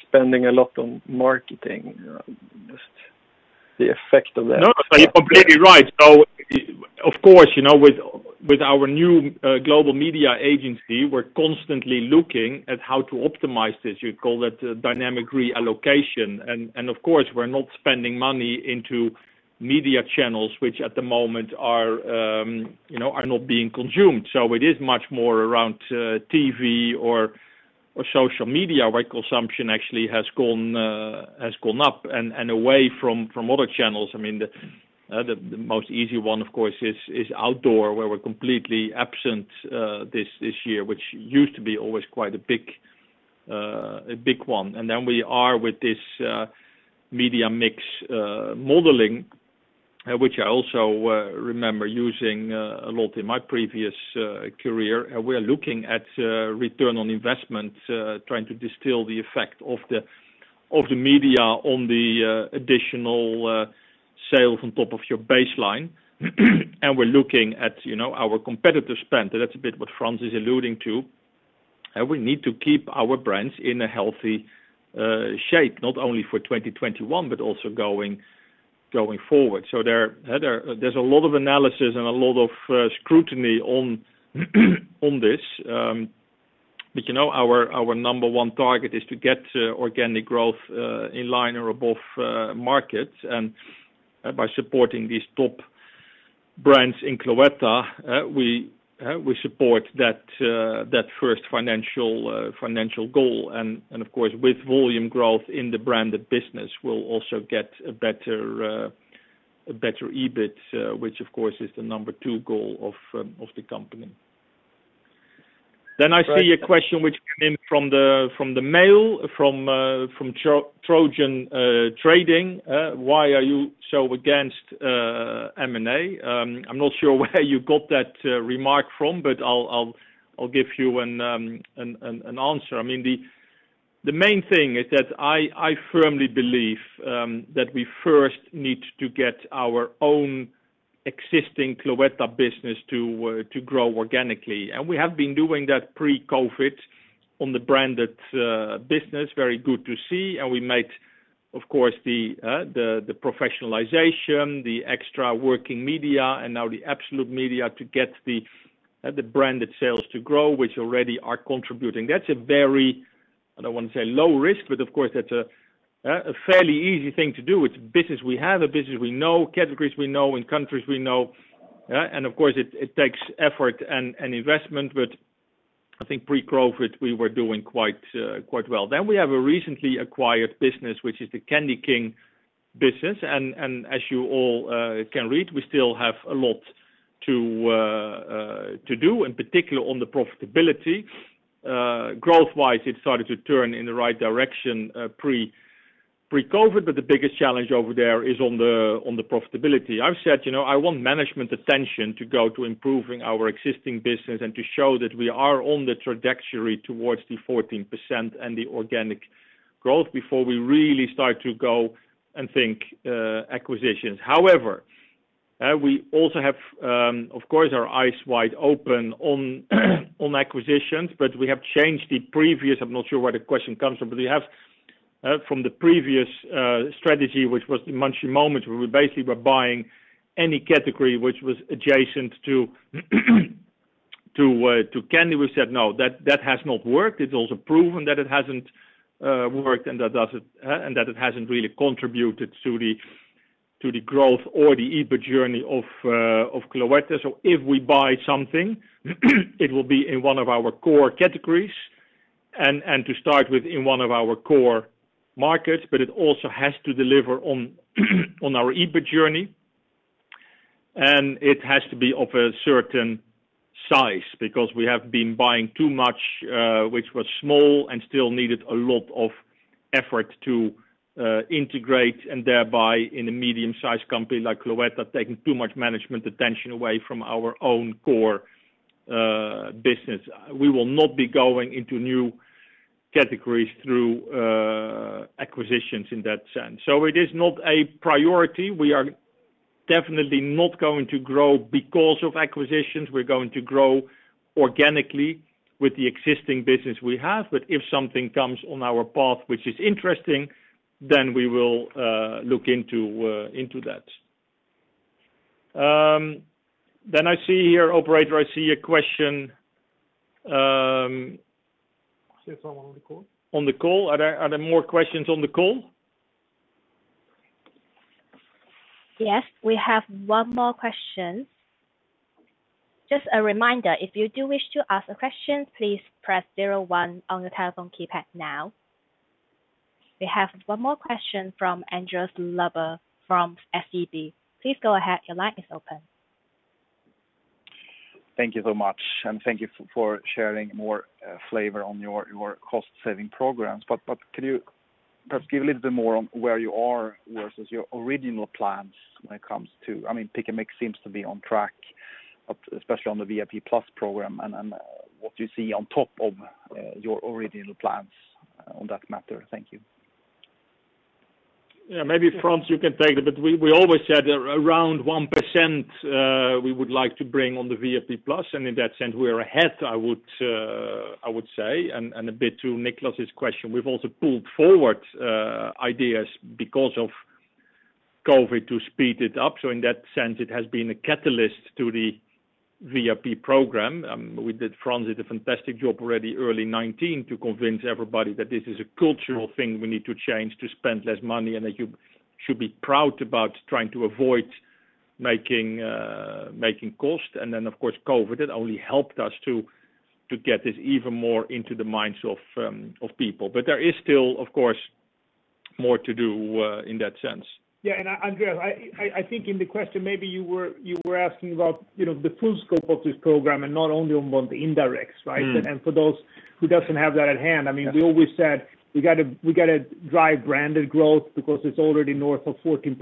spending a lot on marketing, just the effect of that. No, you're completely right. Of course, with our new global media agency, we're constantly looking at how to optimize this. You'd call that dynamic reallocation. Of course, we're not spending money into media channels, which at the moment are not being consumed. It is much more around TV or social media, where consumption actually has gone up and away from other channels. The most easy one, of course, is outdoor, where we're completely absent this year, which used to be always quite a big one. Then we are with this media mix modeling, which I also remember using a lot in my previous career. We are looking at return on investment, trying to distill the effect of the media on the additional sales on top of your baseline. We're looking at our competitor spend. That's a bit what Frans is alluding to. We need to keep our brands in a healthy shape, not only for 2021 but also going forward. There's a lot of analysis and a lot of scrutiny on this. Our number one target is to get organic growth in line or above markets. By supporting these top brands in Cloetta, we support that first financial goal. Of course, with volume growth in the Branded business, we'll also get a better EBIT, which of course is the number two goal of the company. I see a question which came in from the mail, from Trojan Trading. "Why are you so against M&A?" I'm not sure where you got that remark from, but I'll give you an answer. The main thing is that I firmly believe that we first need to get our own existing Cloetta business to grow organically. We have been doing that pre-COVID on the Branded business. Very good to see. We made, of course, the professionalization, the extra working media, and now the absolute media to get the Branded sales to grow, which already are contributing. That's a very, I don't want to say low risk, but of course, that's a fairly easy thing to do. It's business we have, a business we know, categories we know, and countries we know. Of course, it takes effort and investment, but I think pre-COVID, we were doing quite well. We have a recently acquired business, which is the CandyKing business. As you all can read, we still have a lot to do, in particular on the profitability. Growth-wise, it started to turn in the right direction pre-COVID, but the biggest challenge over there is on the profitability. I've said, I want management attention to go to improving our existing business and to show that we are on the trajectory towards the 14% and the organic growth before we really start to go and think acquisitions. However, we also have, of course, our eyes wide open on acquisitions, but we have changed the previous I'm not sure where the question comes from, but from the previous strategy, which was the Munchy Moments, where we basically were buying any category which was adjacent to candy, we said no, that has not worked. It's also proven that it hasn't worked and that it hasn't really contributed to the growth or the EBIT journey of Cloetta. If we buy something, it will be in one of our core categories and to start with, in one of our core markets, but it also has to deliver on our EBIT journey, and it has to be of a certain size because we have been buying too much, which was small and still needed a lot of effort to integrate, and thereby in a medium-sized company like Cloetta, taking too much management attention away from our own core business. We will not be going into new categories through acquisitions in that sense. It is not a priority. We are definitely not going to grow because of acquisitions. We're going to grow organically with the existing business we have. If something comes on our path, which is interesting, we will look into that. I see here, operator, I see a question. See if I'm on the call. On the call. Are there more questions on the call? Yes, we have one more question. Just a reminder, if you do wish to ask a question, please press zero one on your telephone keypad now. We have one more question from Andreas Lundberg from SEB. Please go ahead. Your line is open. Thank you so much and thank you for sharing more flavor on your cost-savings programs. Could you perhaps give a little bit more on where you are versus your original plans when it comes to Pick & Mix seems to be on track, especially on the VIP+ programme and what you see on top of your original plans on that matter. Thank you. Maybe Frans, you can take it, but we always said around 1% we would like to bring on the VIP+, and in that sense, we are ahead, I would say, and a bit to Nicklas's question, we've also pulled forward ideas because of COVID to speed it up. In that sense, it has been a catalyst to the VIP programme. Frans did a fantastic job already early 2019 to convince everybody that this is a cultural thing we need to change to spend less money, and that you should be proud about trying to avoid making cost. Then, of course, COVID, it only helped us to get this even more into the minds of people. There is still, of course, more to do in that sense. Yeah. Andreas, I think in the question maybe you were asking about the full scope of this programme and not only on the indirects, right? For those who doesn't have that at hand, we always said we got to drive Branded growth because it's already north of 14%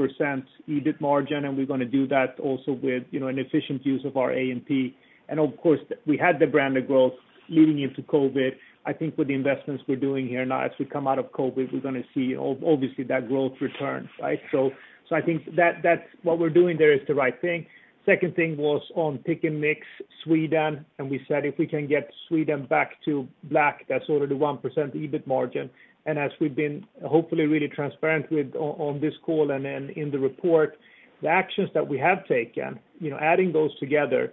EBIT margin, and we're going to do that also with an efficient use of our A&P. Of course, we had the Branded growth leading into COVID. I think with the investments we're doing here now, as we come out of COVID, we're going to see obviously that growth return. I think that what we're doing there is the right thing. Second thing was on Pick & Mix Sweden, and we said if we can get Sweden back to black, that's already 1% EBIT margin. As we've been, hopefully, really transparent on this call and in the report, the actions that we have taken, adding those together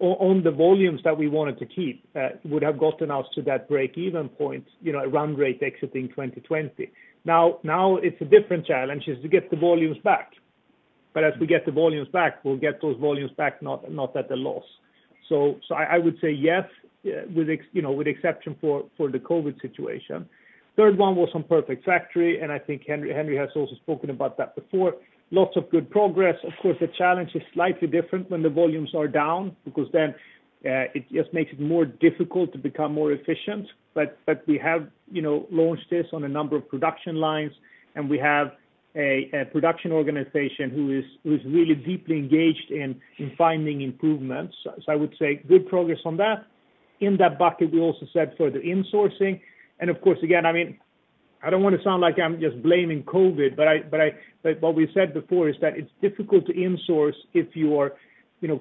on the volumes that we wanted to keep would have gotten us to that break-even point at run rate exiting 2020. Now it's a different challenge is to get the volumes back. As we get the volumes back, we'll get those volumes back not at a loss. I would say yes, with exception for the COVID situation. Third one was on perfect factory, and I think Henri has also spoken about that before. Lots of good progress. Of course, the challenge is slightly different when the volumes are down, because then it just makes it more difficult to become more efficient. We have launched this on a number of production lines, and we have a production organization who is really deeply engaged in finding improvements. I would say good progress on that. In that bucket, we also said further insourcing. Of course, again, I don't want to sound like I'm just blaming COVID, but what we said before is that it's difficult to insource if your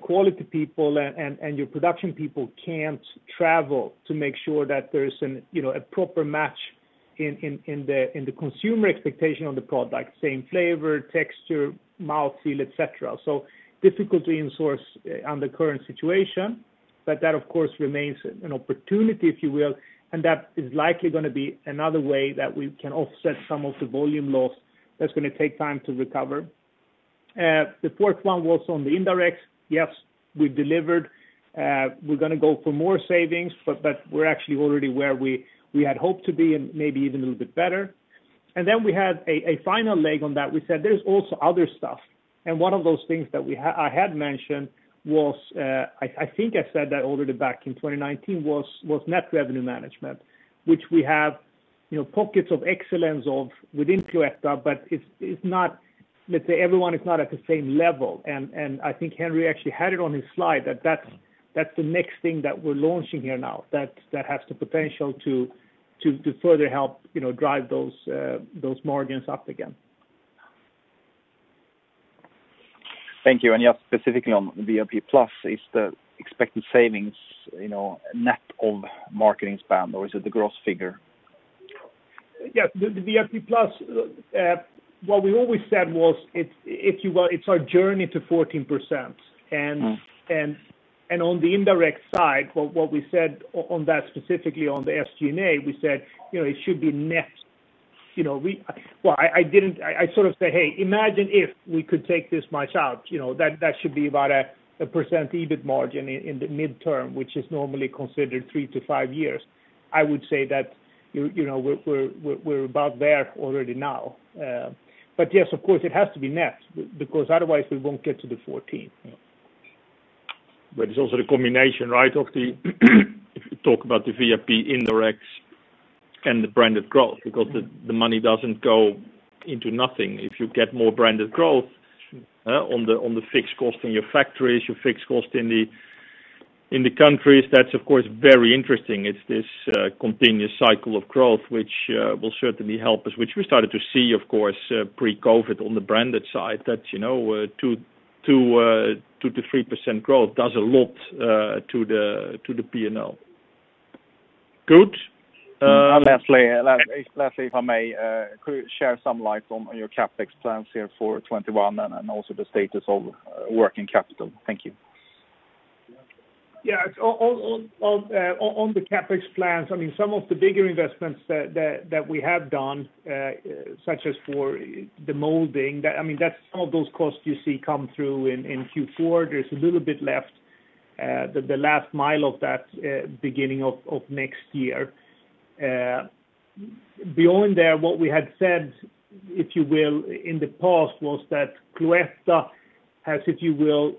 quality people and your production people can't travel to make sure that there's a proper match in the consumer expectation of the product, same flavor, texture, mouth feel, et cetera. Difficult to insource on the current situation. That, of course, remains an opportunity, if you will, and that is likely going to be another way that we can offset some of the volume loss that's going to take time to recover. The fourth one was on the indirects. Yes, we delivered. We're going to go for more savings, but we're actually already where we had hoped to be and maybe even a little bit better. Then we had a final leg on that. We said there's also other stuff. One of those things that I had mentioned was, I think I said that already back in 2019, was net revenue management, which we have pockets of excellence within Cloetta, but let's say everyone is not at the same level. I think Henri actually had it on his slide that that's the next thing that we're launching here now, that has the potential to further help drive those margins up again. Thank you. Yes, specifically on VIP+, is the expected savings net of marketing spend, or is it the gross figure? Yes. The VIP+, what we always said was, it's our journey to 14%. On the indirect side, what we said on that, specifically on the SG&A, we said it should be net. Well, I sort of said, "Hey, imagine if we could take this much out." That should be about a percent EBIT margin in the midterm, which is normally considered three to five years. I would say that we're about there already now. Yes, of course, it has to be net, because otherwise we won't get to the 14%. It's also the combination, right? If you talk about the VIP indirect, and the Branded growth, because the money doesn't go into nothing. If you get more Branded growth on the fixed cost in your factories, your fixed cost in the countries, that's of course very interesting. It's this continuous cycle of growth, which will certainly help us, which we started to see, of course, pre-COVID on the Branded side. That 2%-3% growth does a lot to the P&L. Good? Lastly, if I may, could you share some light on your CapEx plans here for 2021, and also the status of working capital? Thank you. Yeah. On the CapEx plans, some of the bigger investments that we have done, such as for the molding, some of those costs you see come through in Q4. There's a little bit left, the last mile of that, beginning of next year. Beyond there, what we had said, if you will, in the past was that Cloetta has, if you will,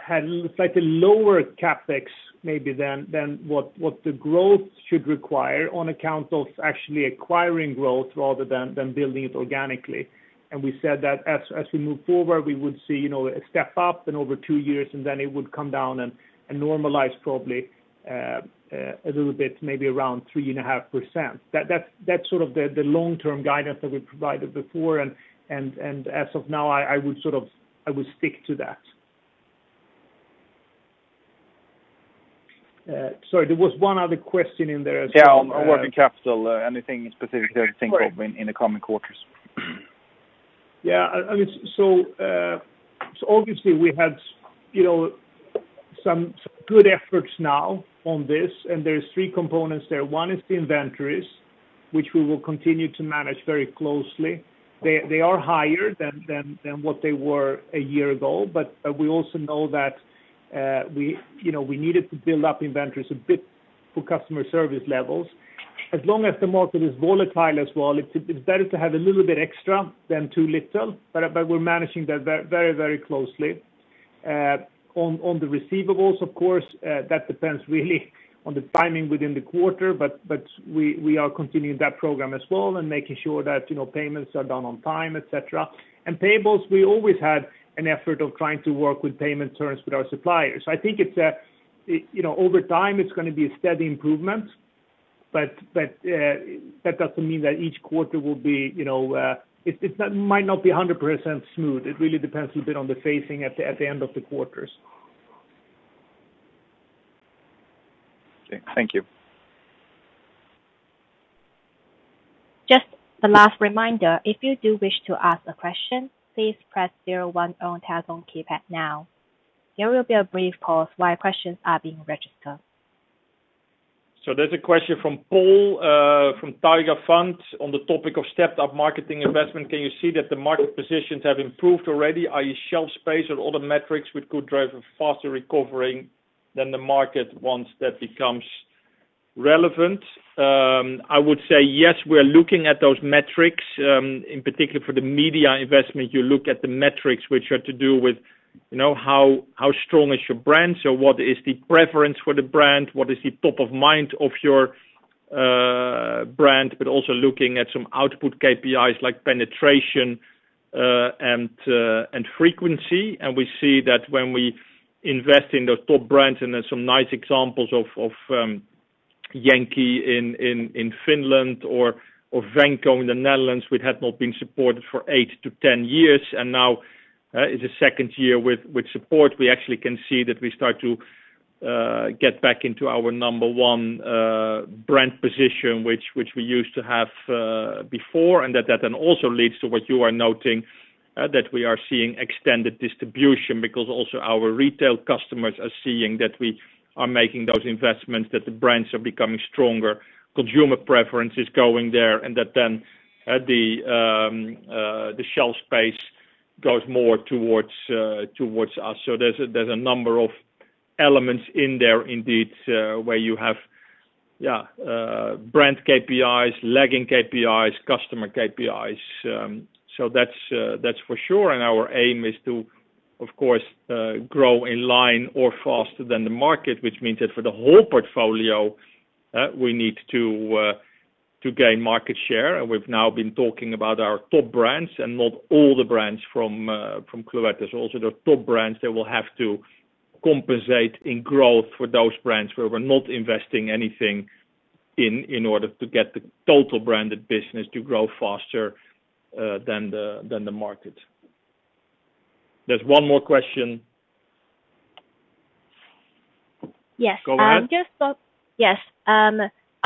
had slightly lower CapEx maybe than what the growth should require on account of actually acquiring growth rather than building it organically. We said that as we move forward, we would see a step up in over two years, then it would come down and normalize probably a little bit, maybe around 3.5%. That's sort of the long-term guidance that we provided before, and as of now, I would stick to that. Sorry, there was one other question in there as well. Yeah, on working capital. Anything specific there to think of in the coming quarters? Yeah. Obviously we had some good efforts now on this, and there's three components there. One is the inventories, which we will continue to manage very closely. They are higher than what they were a year ago, but we also know that we needed to build up inventories a bit for customer service levels. As long as the market is volatile as well, it's better to have a little bit extra than too little. We're managing that very closely. On the receivables, of course, that depends really on the timing within the quarter, but we are continuing that programme as well and making sure that payments are done on time, et cetera. Payables, we always had an effort of trying to work with payment terms with our suppliers. I think over time, it's going to be a steady improvement, but that doesn't mean that each quarter might not be 100% smooth. It really depends a little bit on the phasing at the end of the quarters. Thank you. Just a last reminder. If you do wish to ask a question, please press zero one on your telephone keypad now. There will be a brief pause while questions are being registered. There's a question from Paul from Taiga Fund. On the topic of stepped up marketing investment, can you see that the market positions have improved already, i.e. shelf space and other metrics which could drive a faster recovering than the market once that becomes relevant? I would say yes, we are looking at those metrics. In particular for the media investment, you look at the metrics which are to do with how strong is your brand, so what is the preference for the brand, what is the top of mind of your brand, but also looking at some output KPIs like penetration and frequency. We see that when we invest in those top brands, and there's some nice examples of Tupla in Finland or Venco in the Netherlands, which had not been supported for 8-10 years, and now it's a second year with support. We actually can see that we start to get back into our number one brand position, which we used to have before. That then also leads to what you are noting, that we are seeing extended distribution because also our retail customers are seeing that we are making those investments, that the brands are becoming stronger, consumer preference is going there, and that then the shelf space goes more towards us. There's a number of elements in there indeed where you have. Brand KPIs, lagging KPIs, customer KPIs. That's for sure, and our aim is to, of course, grow in line or faster than the market, which means that for the whole portfolio, we need to gain market share. We've now been talking about our top brands and not all the brands from Cloetta. Also the top brands that will have to compensate in growth for those brands where we're not investing anything in order to get the total Branded business to grow faster than the market. There's one more question. Yes. Go ahead. Yes.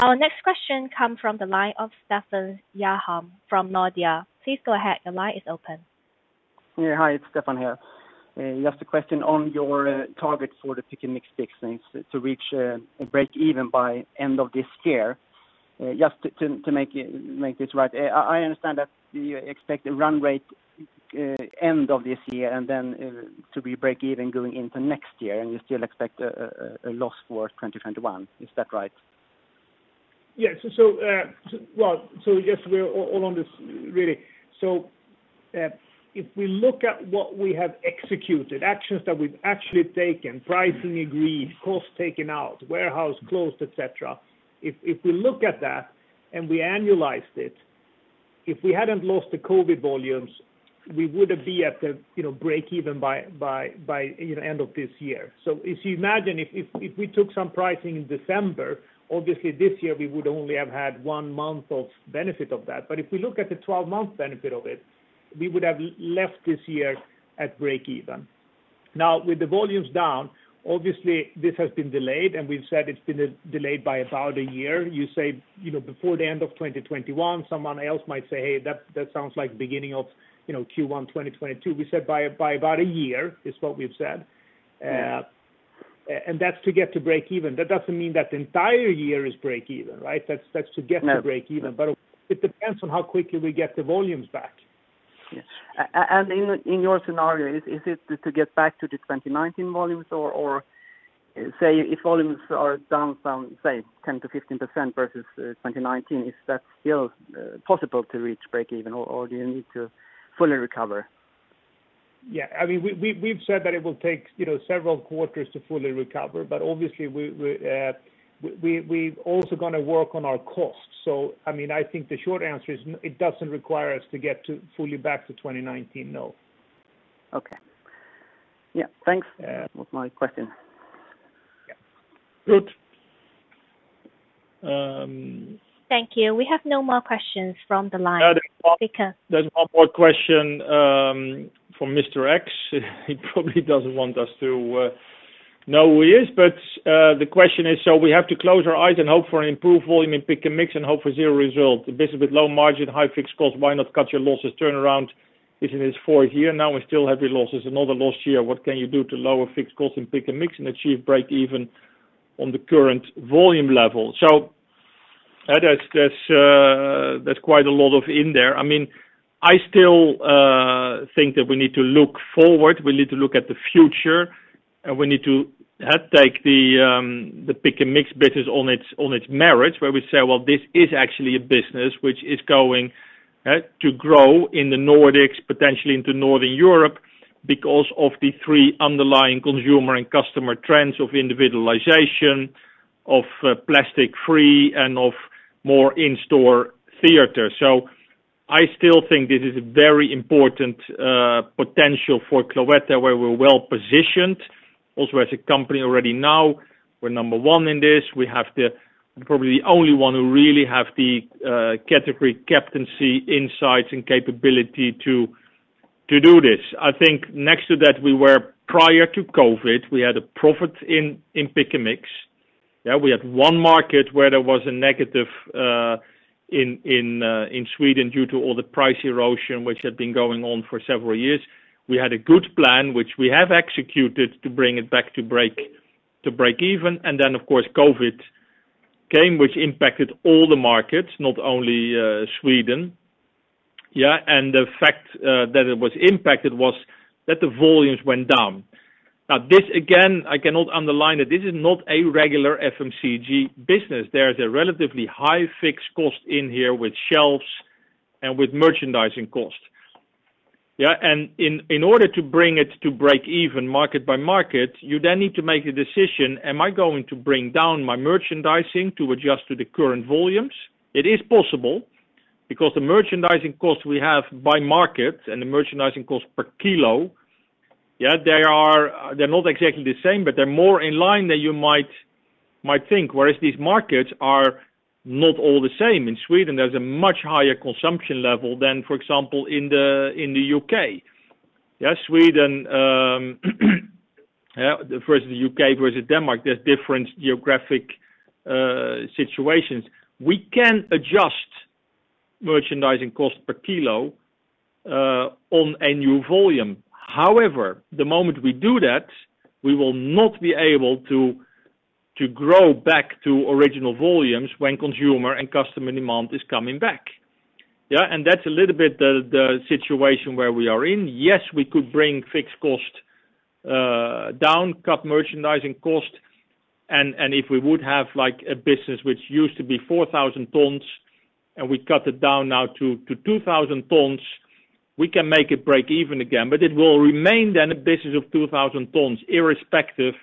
Our next question come from the line of Stefan Stjernholm from Nordea. Please go ahead. The line is open. Hi, it's Stefan here. Just a question on your target for the Pick & Mix fixings to reach a breakeven by end of this year. Just to make this right, I understand that you expect a run rate end of this year, and then to be breakeven going into next year, and you still expect a loss for 2021. Is that right? Yes. Yes, we're all on this, really. If we look at what we have executed, actions that we've actually taken, pricing agreed, cost taken out, warehouse closed, et cetera. If we look at that and we annualized it, if we hadn't lost the COVID volumes, we would be at the breakeven by end of this year. If you imagine, if we took some pricing in December, obviously this year we would only have had one month of benefit of that. If we look at the 12-month benefit of it, we would have left this year at breakeven. Now, with the volumes down, obviously this has been delayed, and we've said it's been delayed by about a year. You say before the end of 2021, someone else might say, "Hey, that sounds like beginning of Q1 2022." We said by about a year, is what we've said. Right. That's to get to breakeven. That doesn't mean that the entire year is breakeven, right? That's to get that breakeven. It depends on how quickly we get the volumes back. Yes. In your scenario, is it to get back to the 2019 volumes? Or say if volumes are down, say 10%-15% versus 2019, is that still possible to reach breakeven, or do you need to fully recover? Yeah. We've said that it will take several quarters to fully recover. Obviously, we've also going to work on our costs. I think the short answer is, it doesn't require us to get to fully back to 2019, no. Okay. Yeah, thanks. Yeah. That was my question. Yeah. Good. Thank you. We have no more questions from the line speaker. There's one more question from Mr. X. He probably doesn't want us to know who he is, but the question is, "We have to close our eyes and hope for improved volume in Pick & Mix and hope for zero result. The business with low margin, high fixed cost, why not cut your losses? Turnaround is in its fourth year now and still heavy losses. Another loss year, what can you do to lower fixed cost in Pick & Mix and achieve breakeven on the current volume level?" There's quite a lot of in there. I still think that we need to look forward. We need to look at the future, and we need to take the Pick & Mix business on its merits, where we say, "Well, this is actually a business which is going to grow in the Nordics, potentially into Northern Europe because of the three underlying consumer and customer trends of individualization, of plastic free, and of more in-store theater." I still think this is a very important potential for Cloetta, where we're well-positioned. Also, as a company already now, we're number one in this. We have the, probably only one who really have the category captaincy insights and capability to do this. I think next to that, we were, prior to COVID, we had a profit in Pick & Mix. Yeah, we had one market where there was a negative in Sweden due to all the price erosion which had been going on for several years. We had a good plan, which we have executed to bring it back to breakeven. Of course, COVID came, which impacted all the markets, not only Sweden. The fact that it was impacted was that the volumes went down. Now, this, again, I cannot underline it. This is not a regular FMCG business. There is a relatively high fixed cost in here with shelves and with merchandising costs. In order to bring it to breakeven market by market, you then need to make a decision. Am I going to bring down my merchandising to adjust to the current volumes? It is possible because the merchandising costs we have by market and the merchandising costs per kilo, they're not exactly the same, but they're more in line than you might think, whereas these markets are not all the same. In Sweden, there's a much higher consumption level than, for example, in the U.K. Sweden versus the U.K. versus Denmark, there's different geographic situations. We can adjust merchandising cost per kilo on a new volume. However, the moment we do that, we will not be able to grow back to original volumes when consumer and customer demand is coming back. That's a little bit the situation where we are in. Yes, we could bring fixed cost down, cut merchandising cost, and if we would have like a business which used to be 4,000 tons and we cut it down now to 2,000 tons, we can make it breakeven again. It will remain then a business of 2,000 tons, irrespective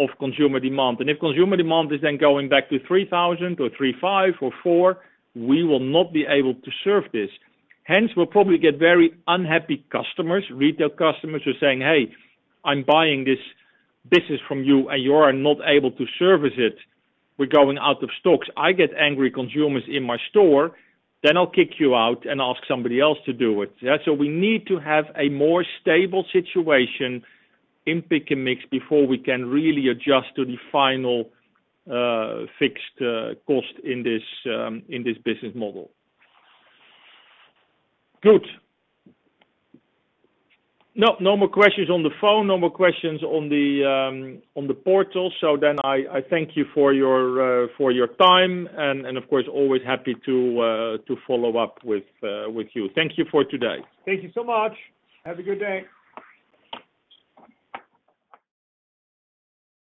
of consumer demand. If consumer demand is then going back to 3,000 or 3,500 or 4,000, we will not be able to serve this. Hence, we'll probably get very unhappy customers, retail customers who are saying, "Hey, I'm buying this business from you and you are not able to service it. We're going out of stocks. I get angry consumers in my store, then I'll kick you out and ask somebody else to do it." Yeah, we need to have a more stable situation in Pick & Mix before we can really adjust to the final fixed cost in this business model. Good. No more questions on the phone. No more questions on the portal. I thank you for your time, and of course, always happy to follow up with you. Thank you for today. Thank you so much. Have a good day.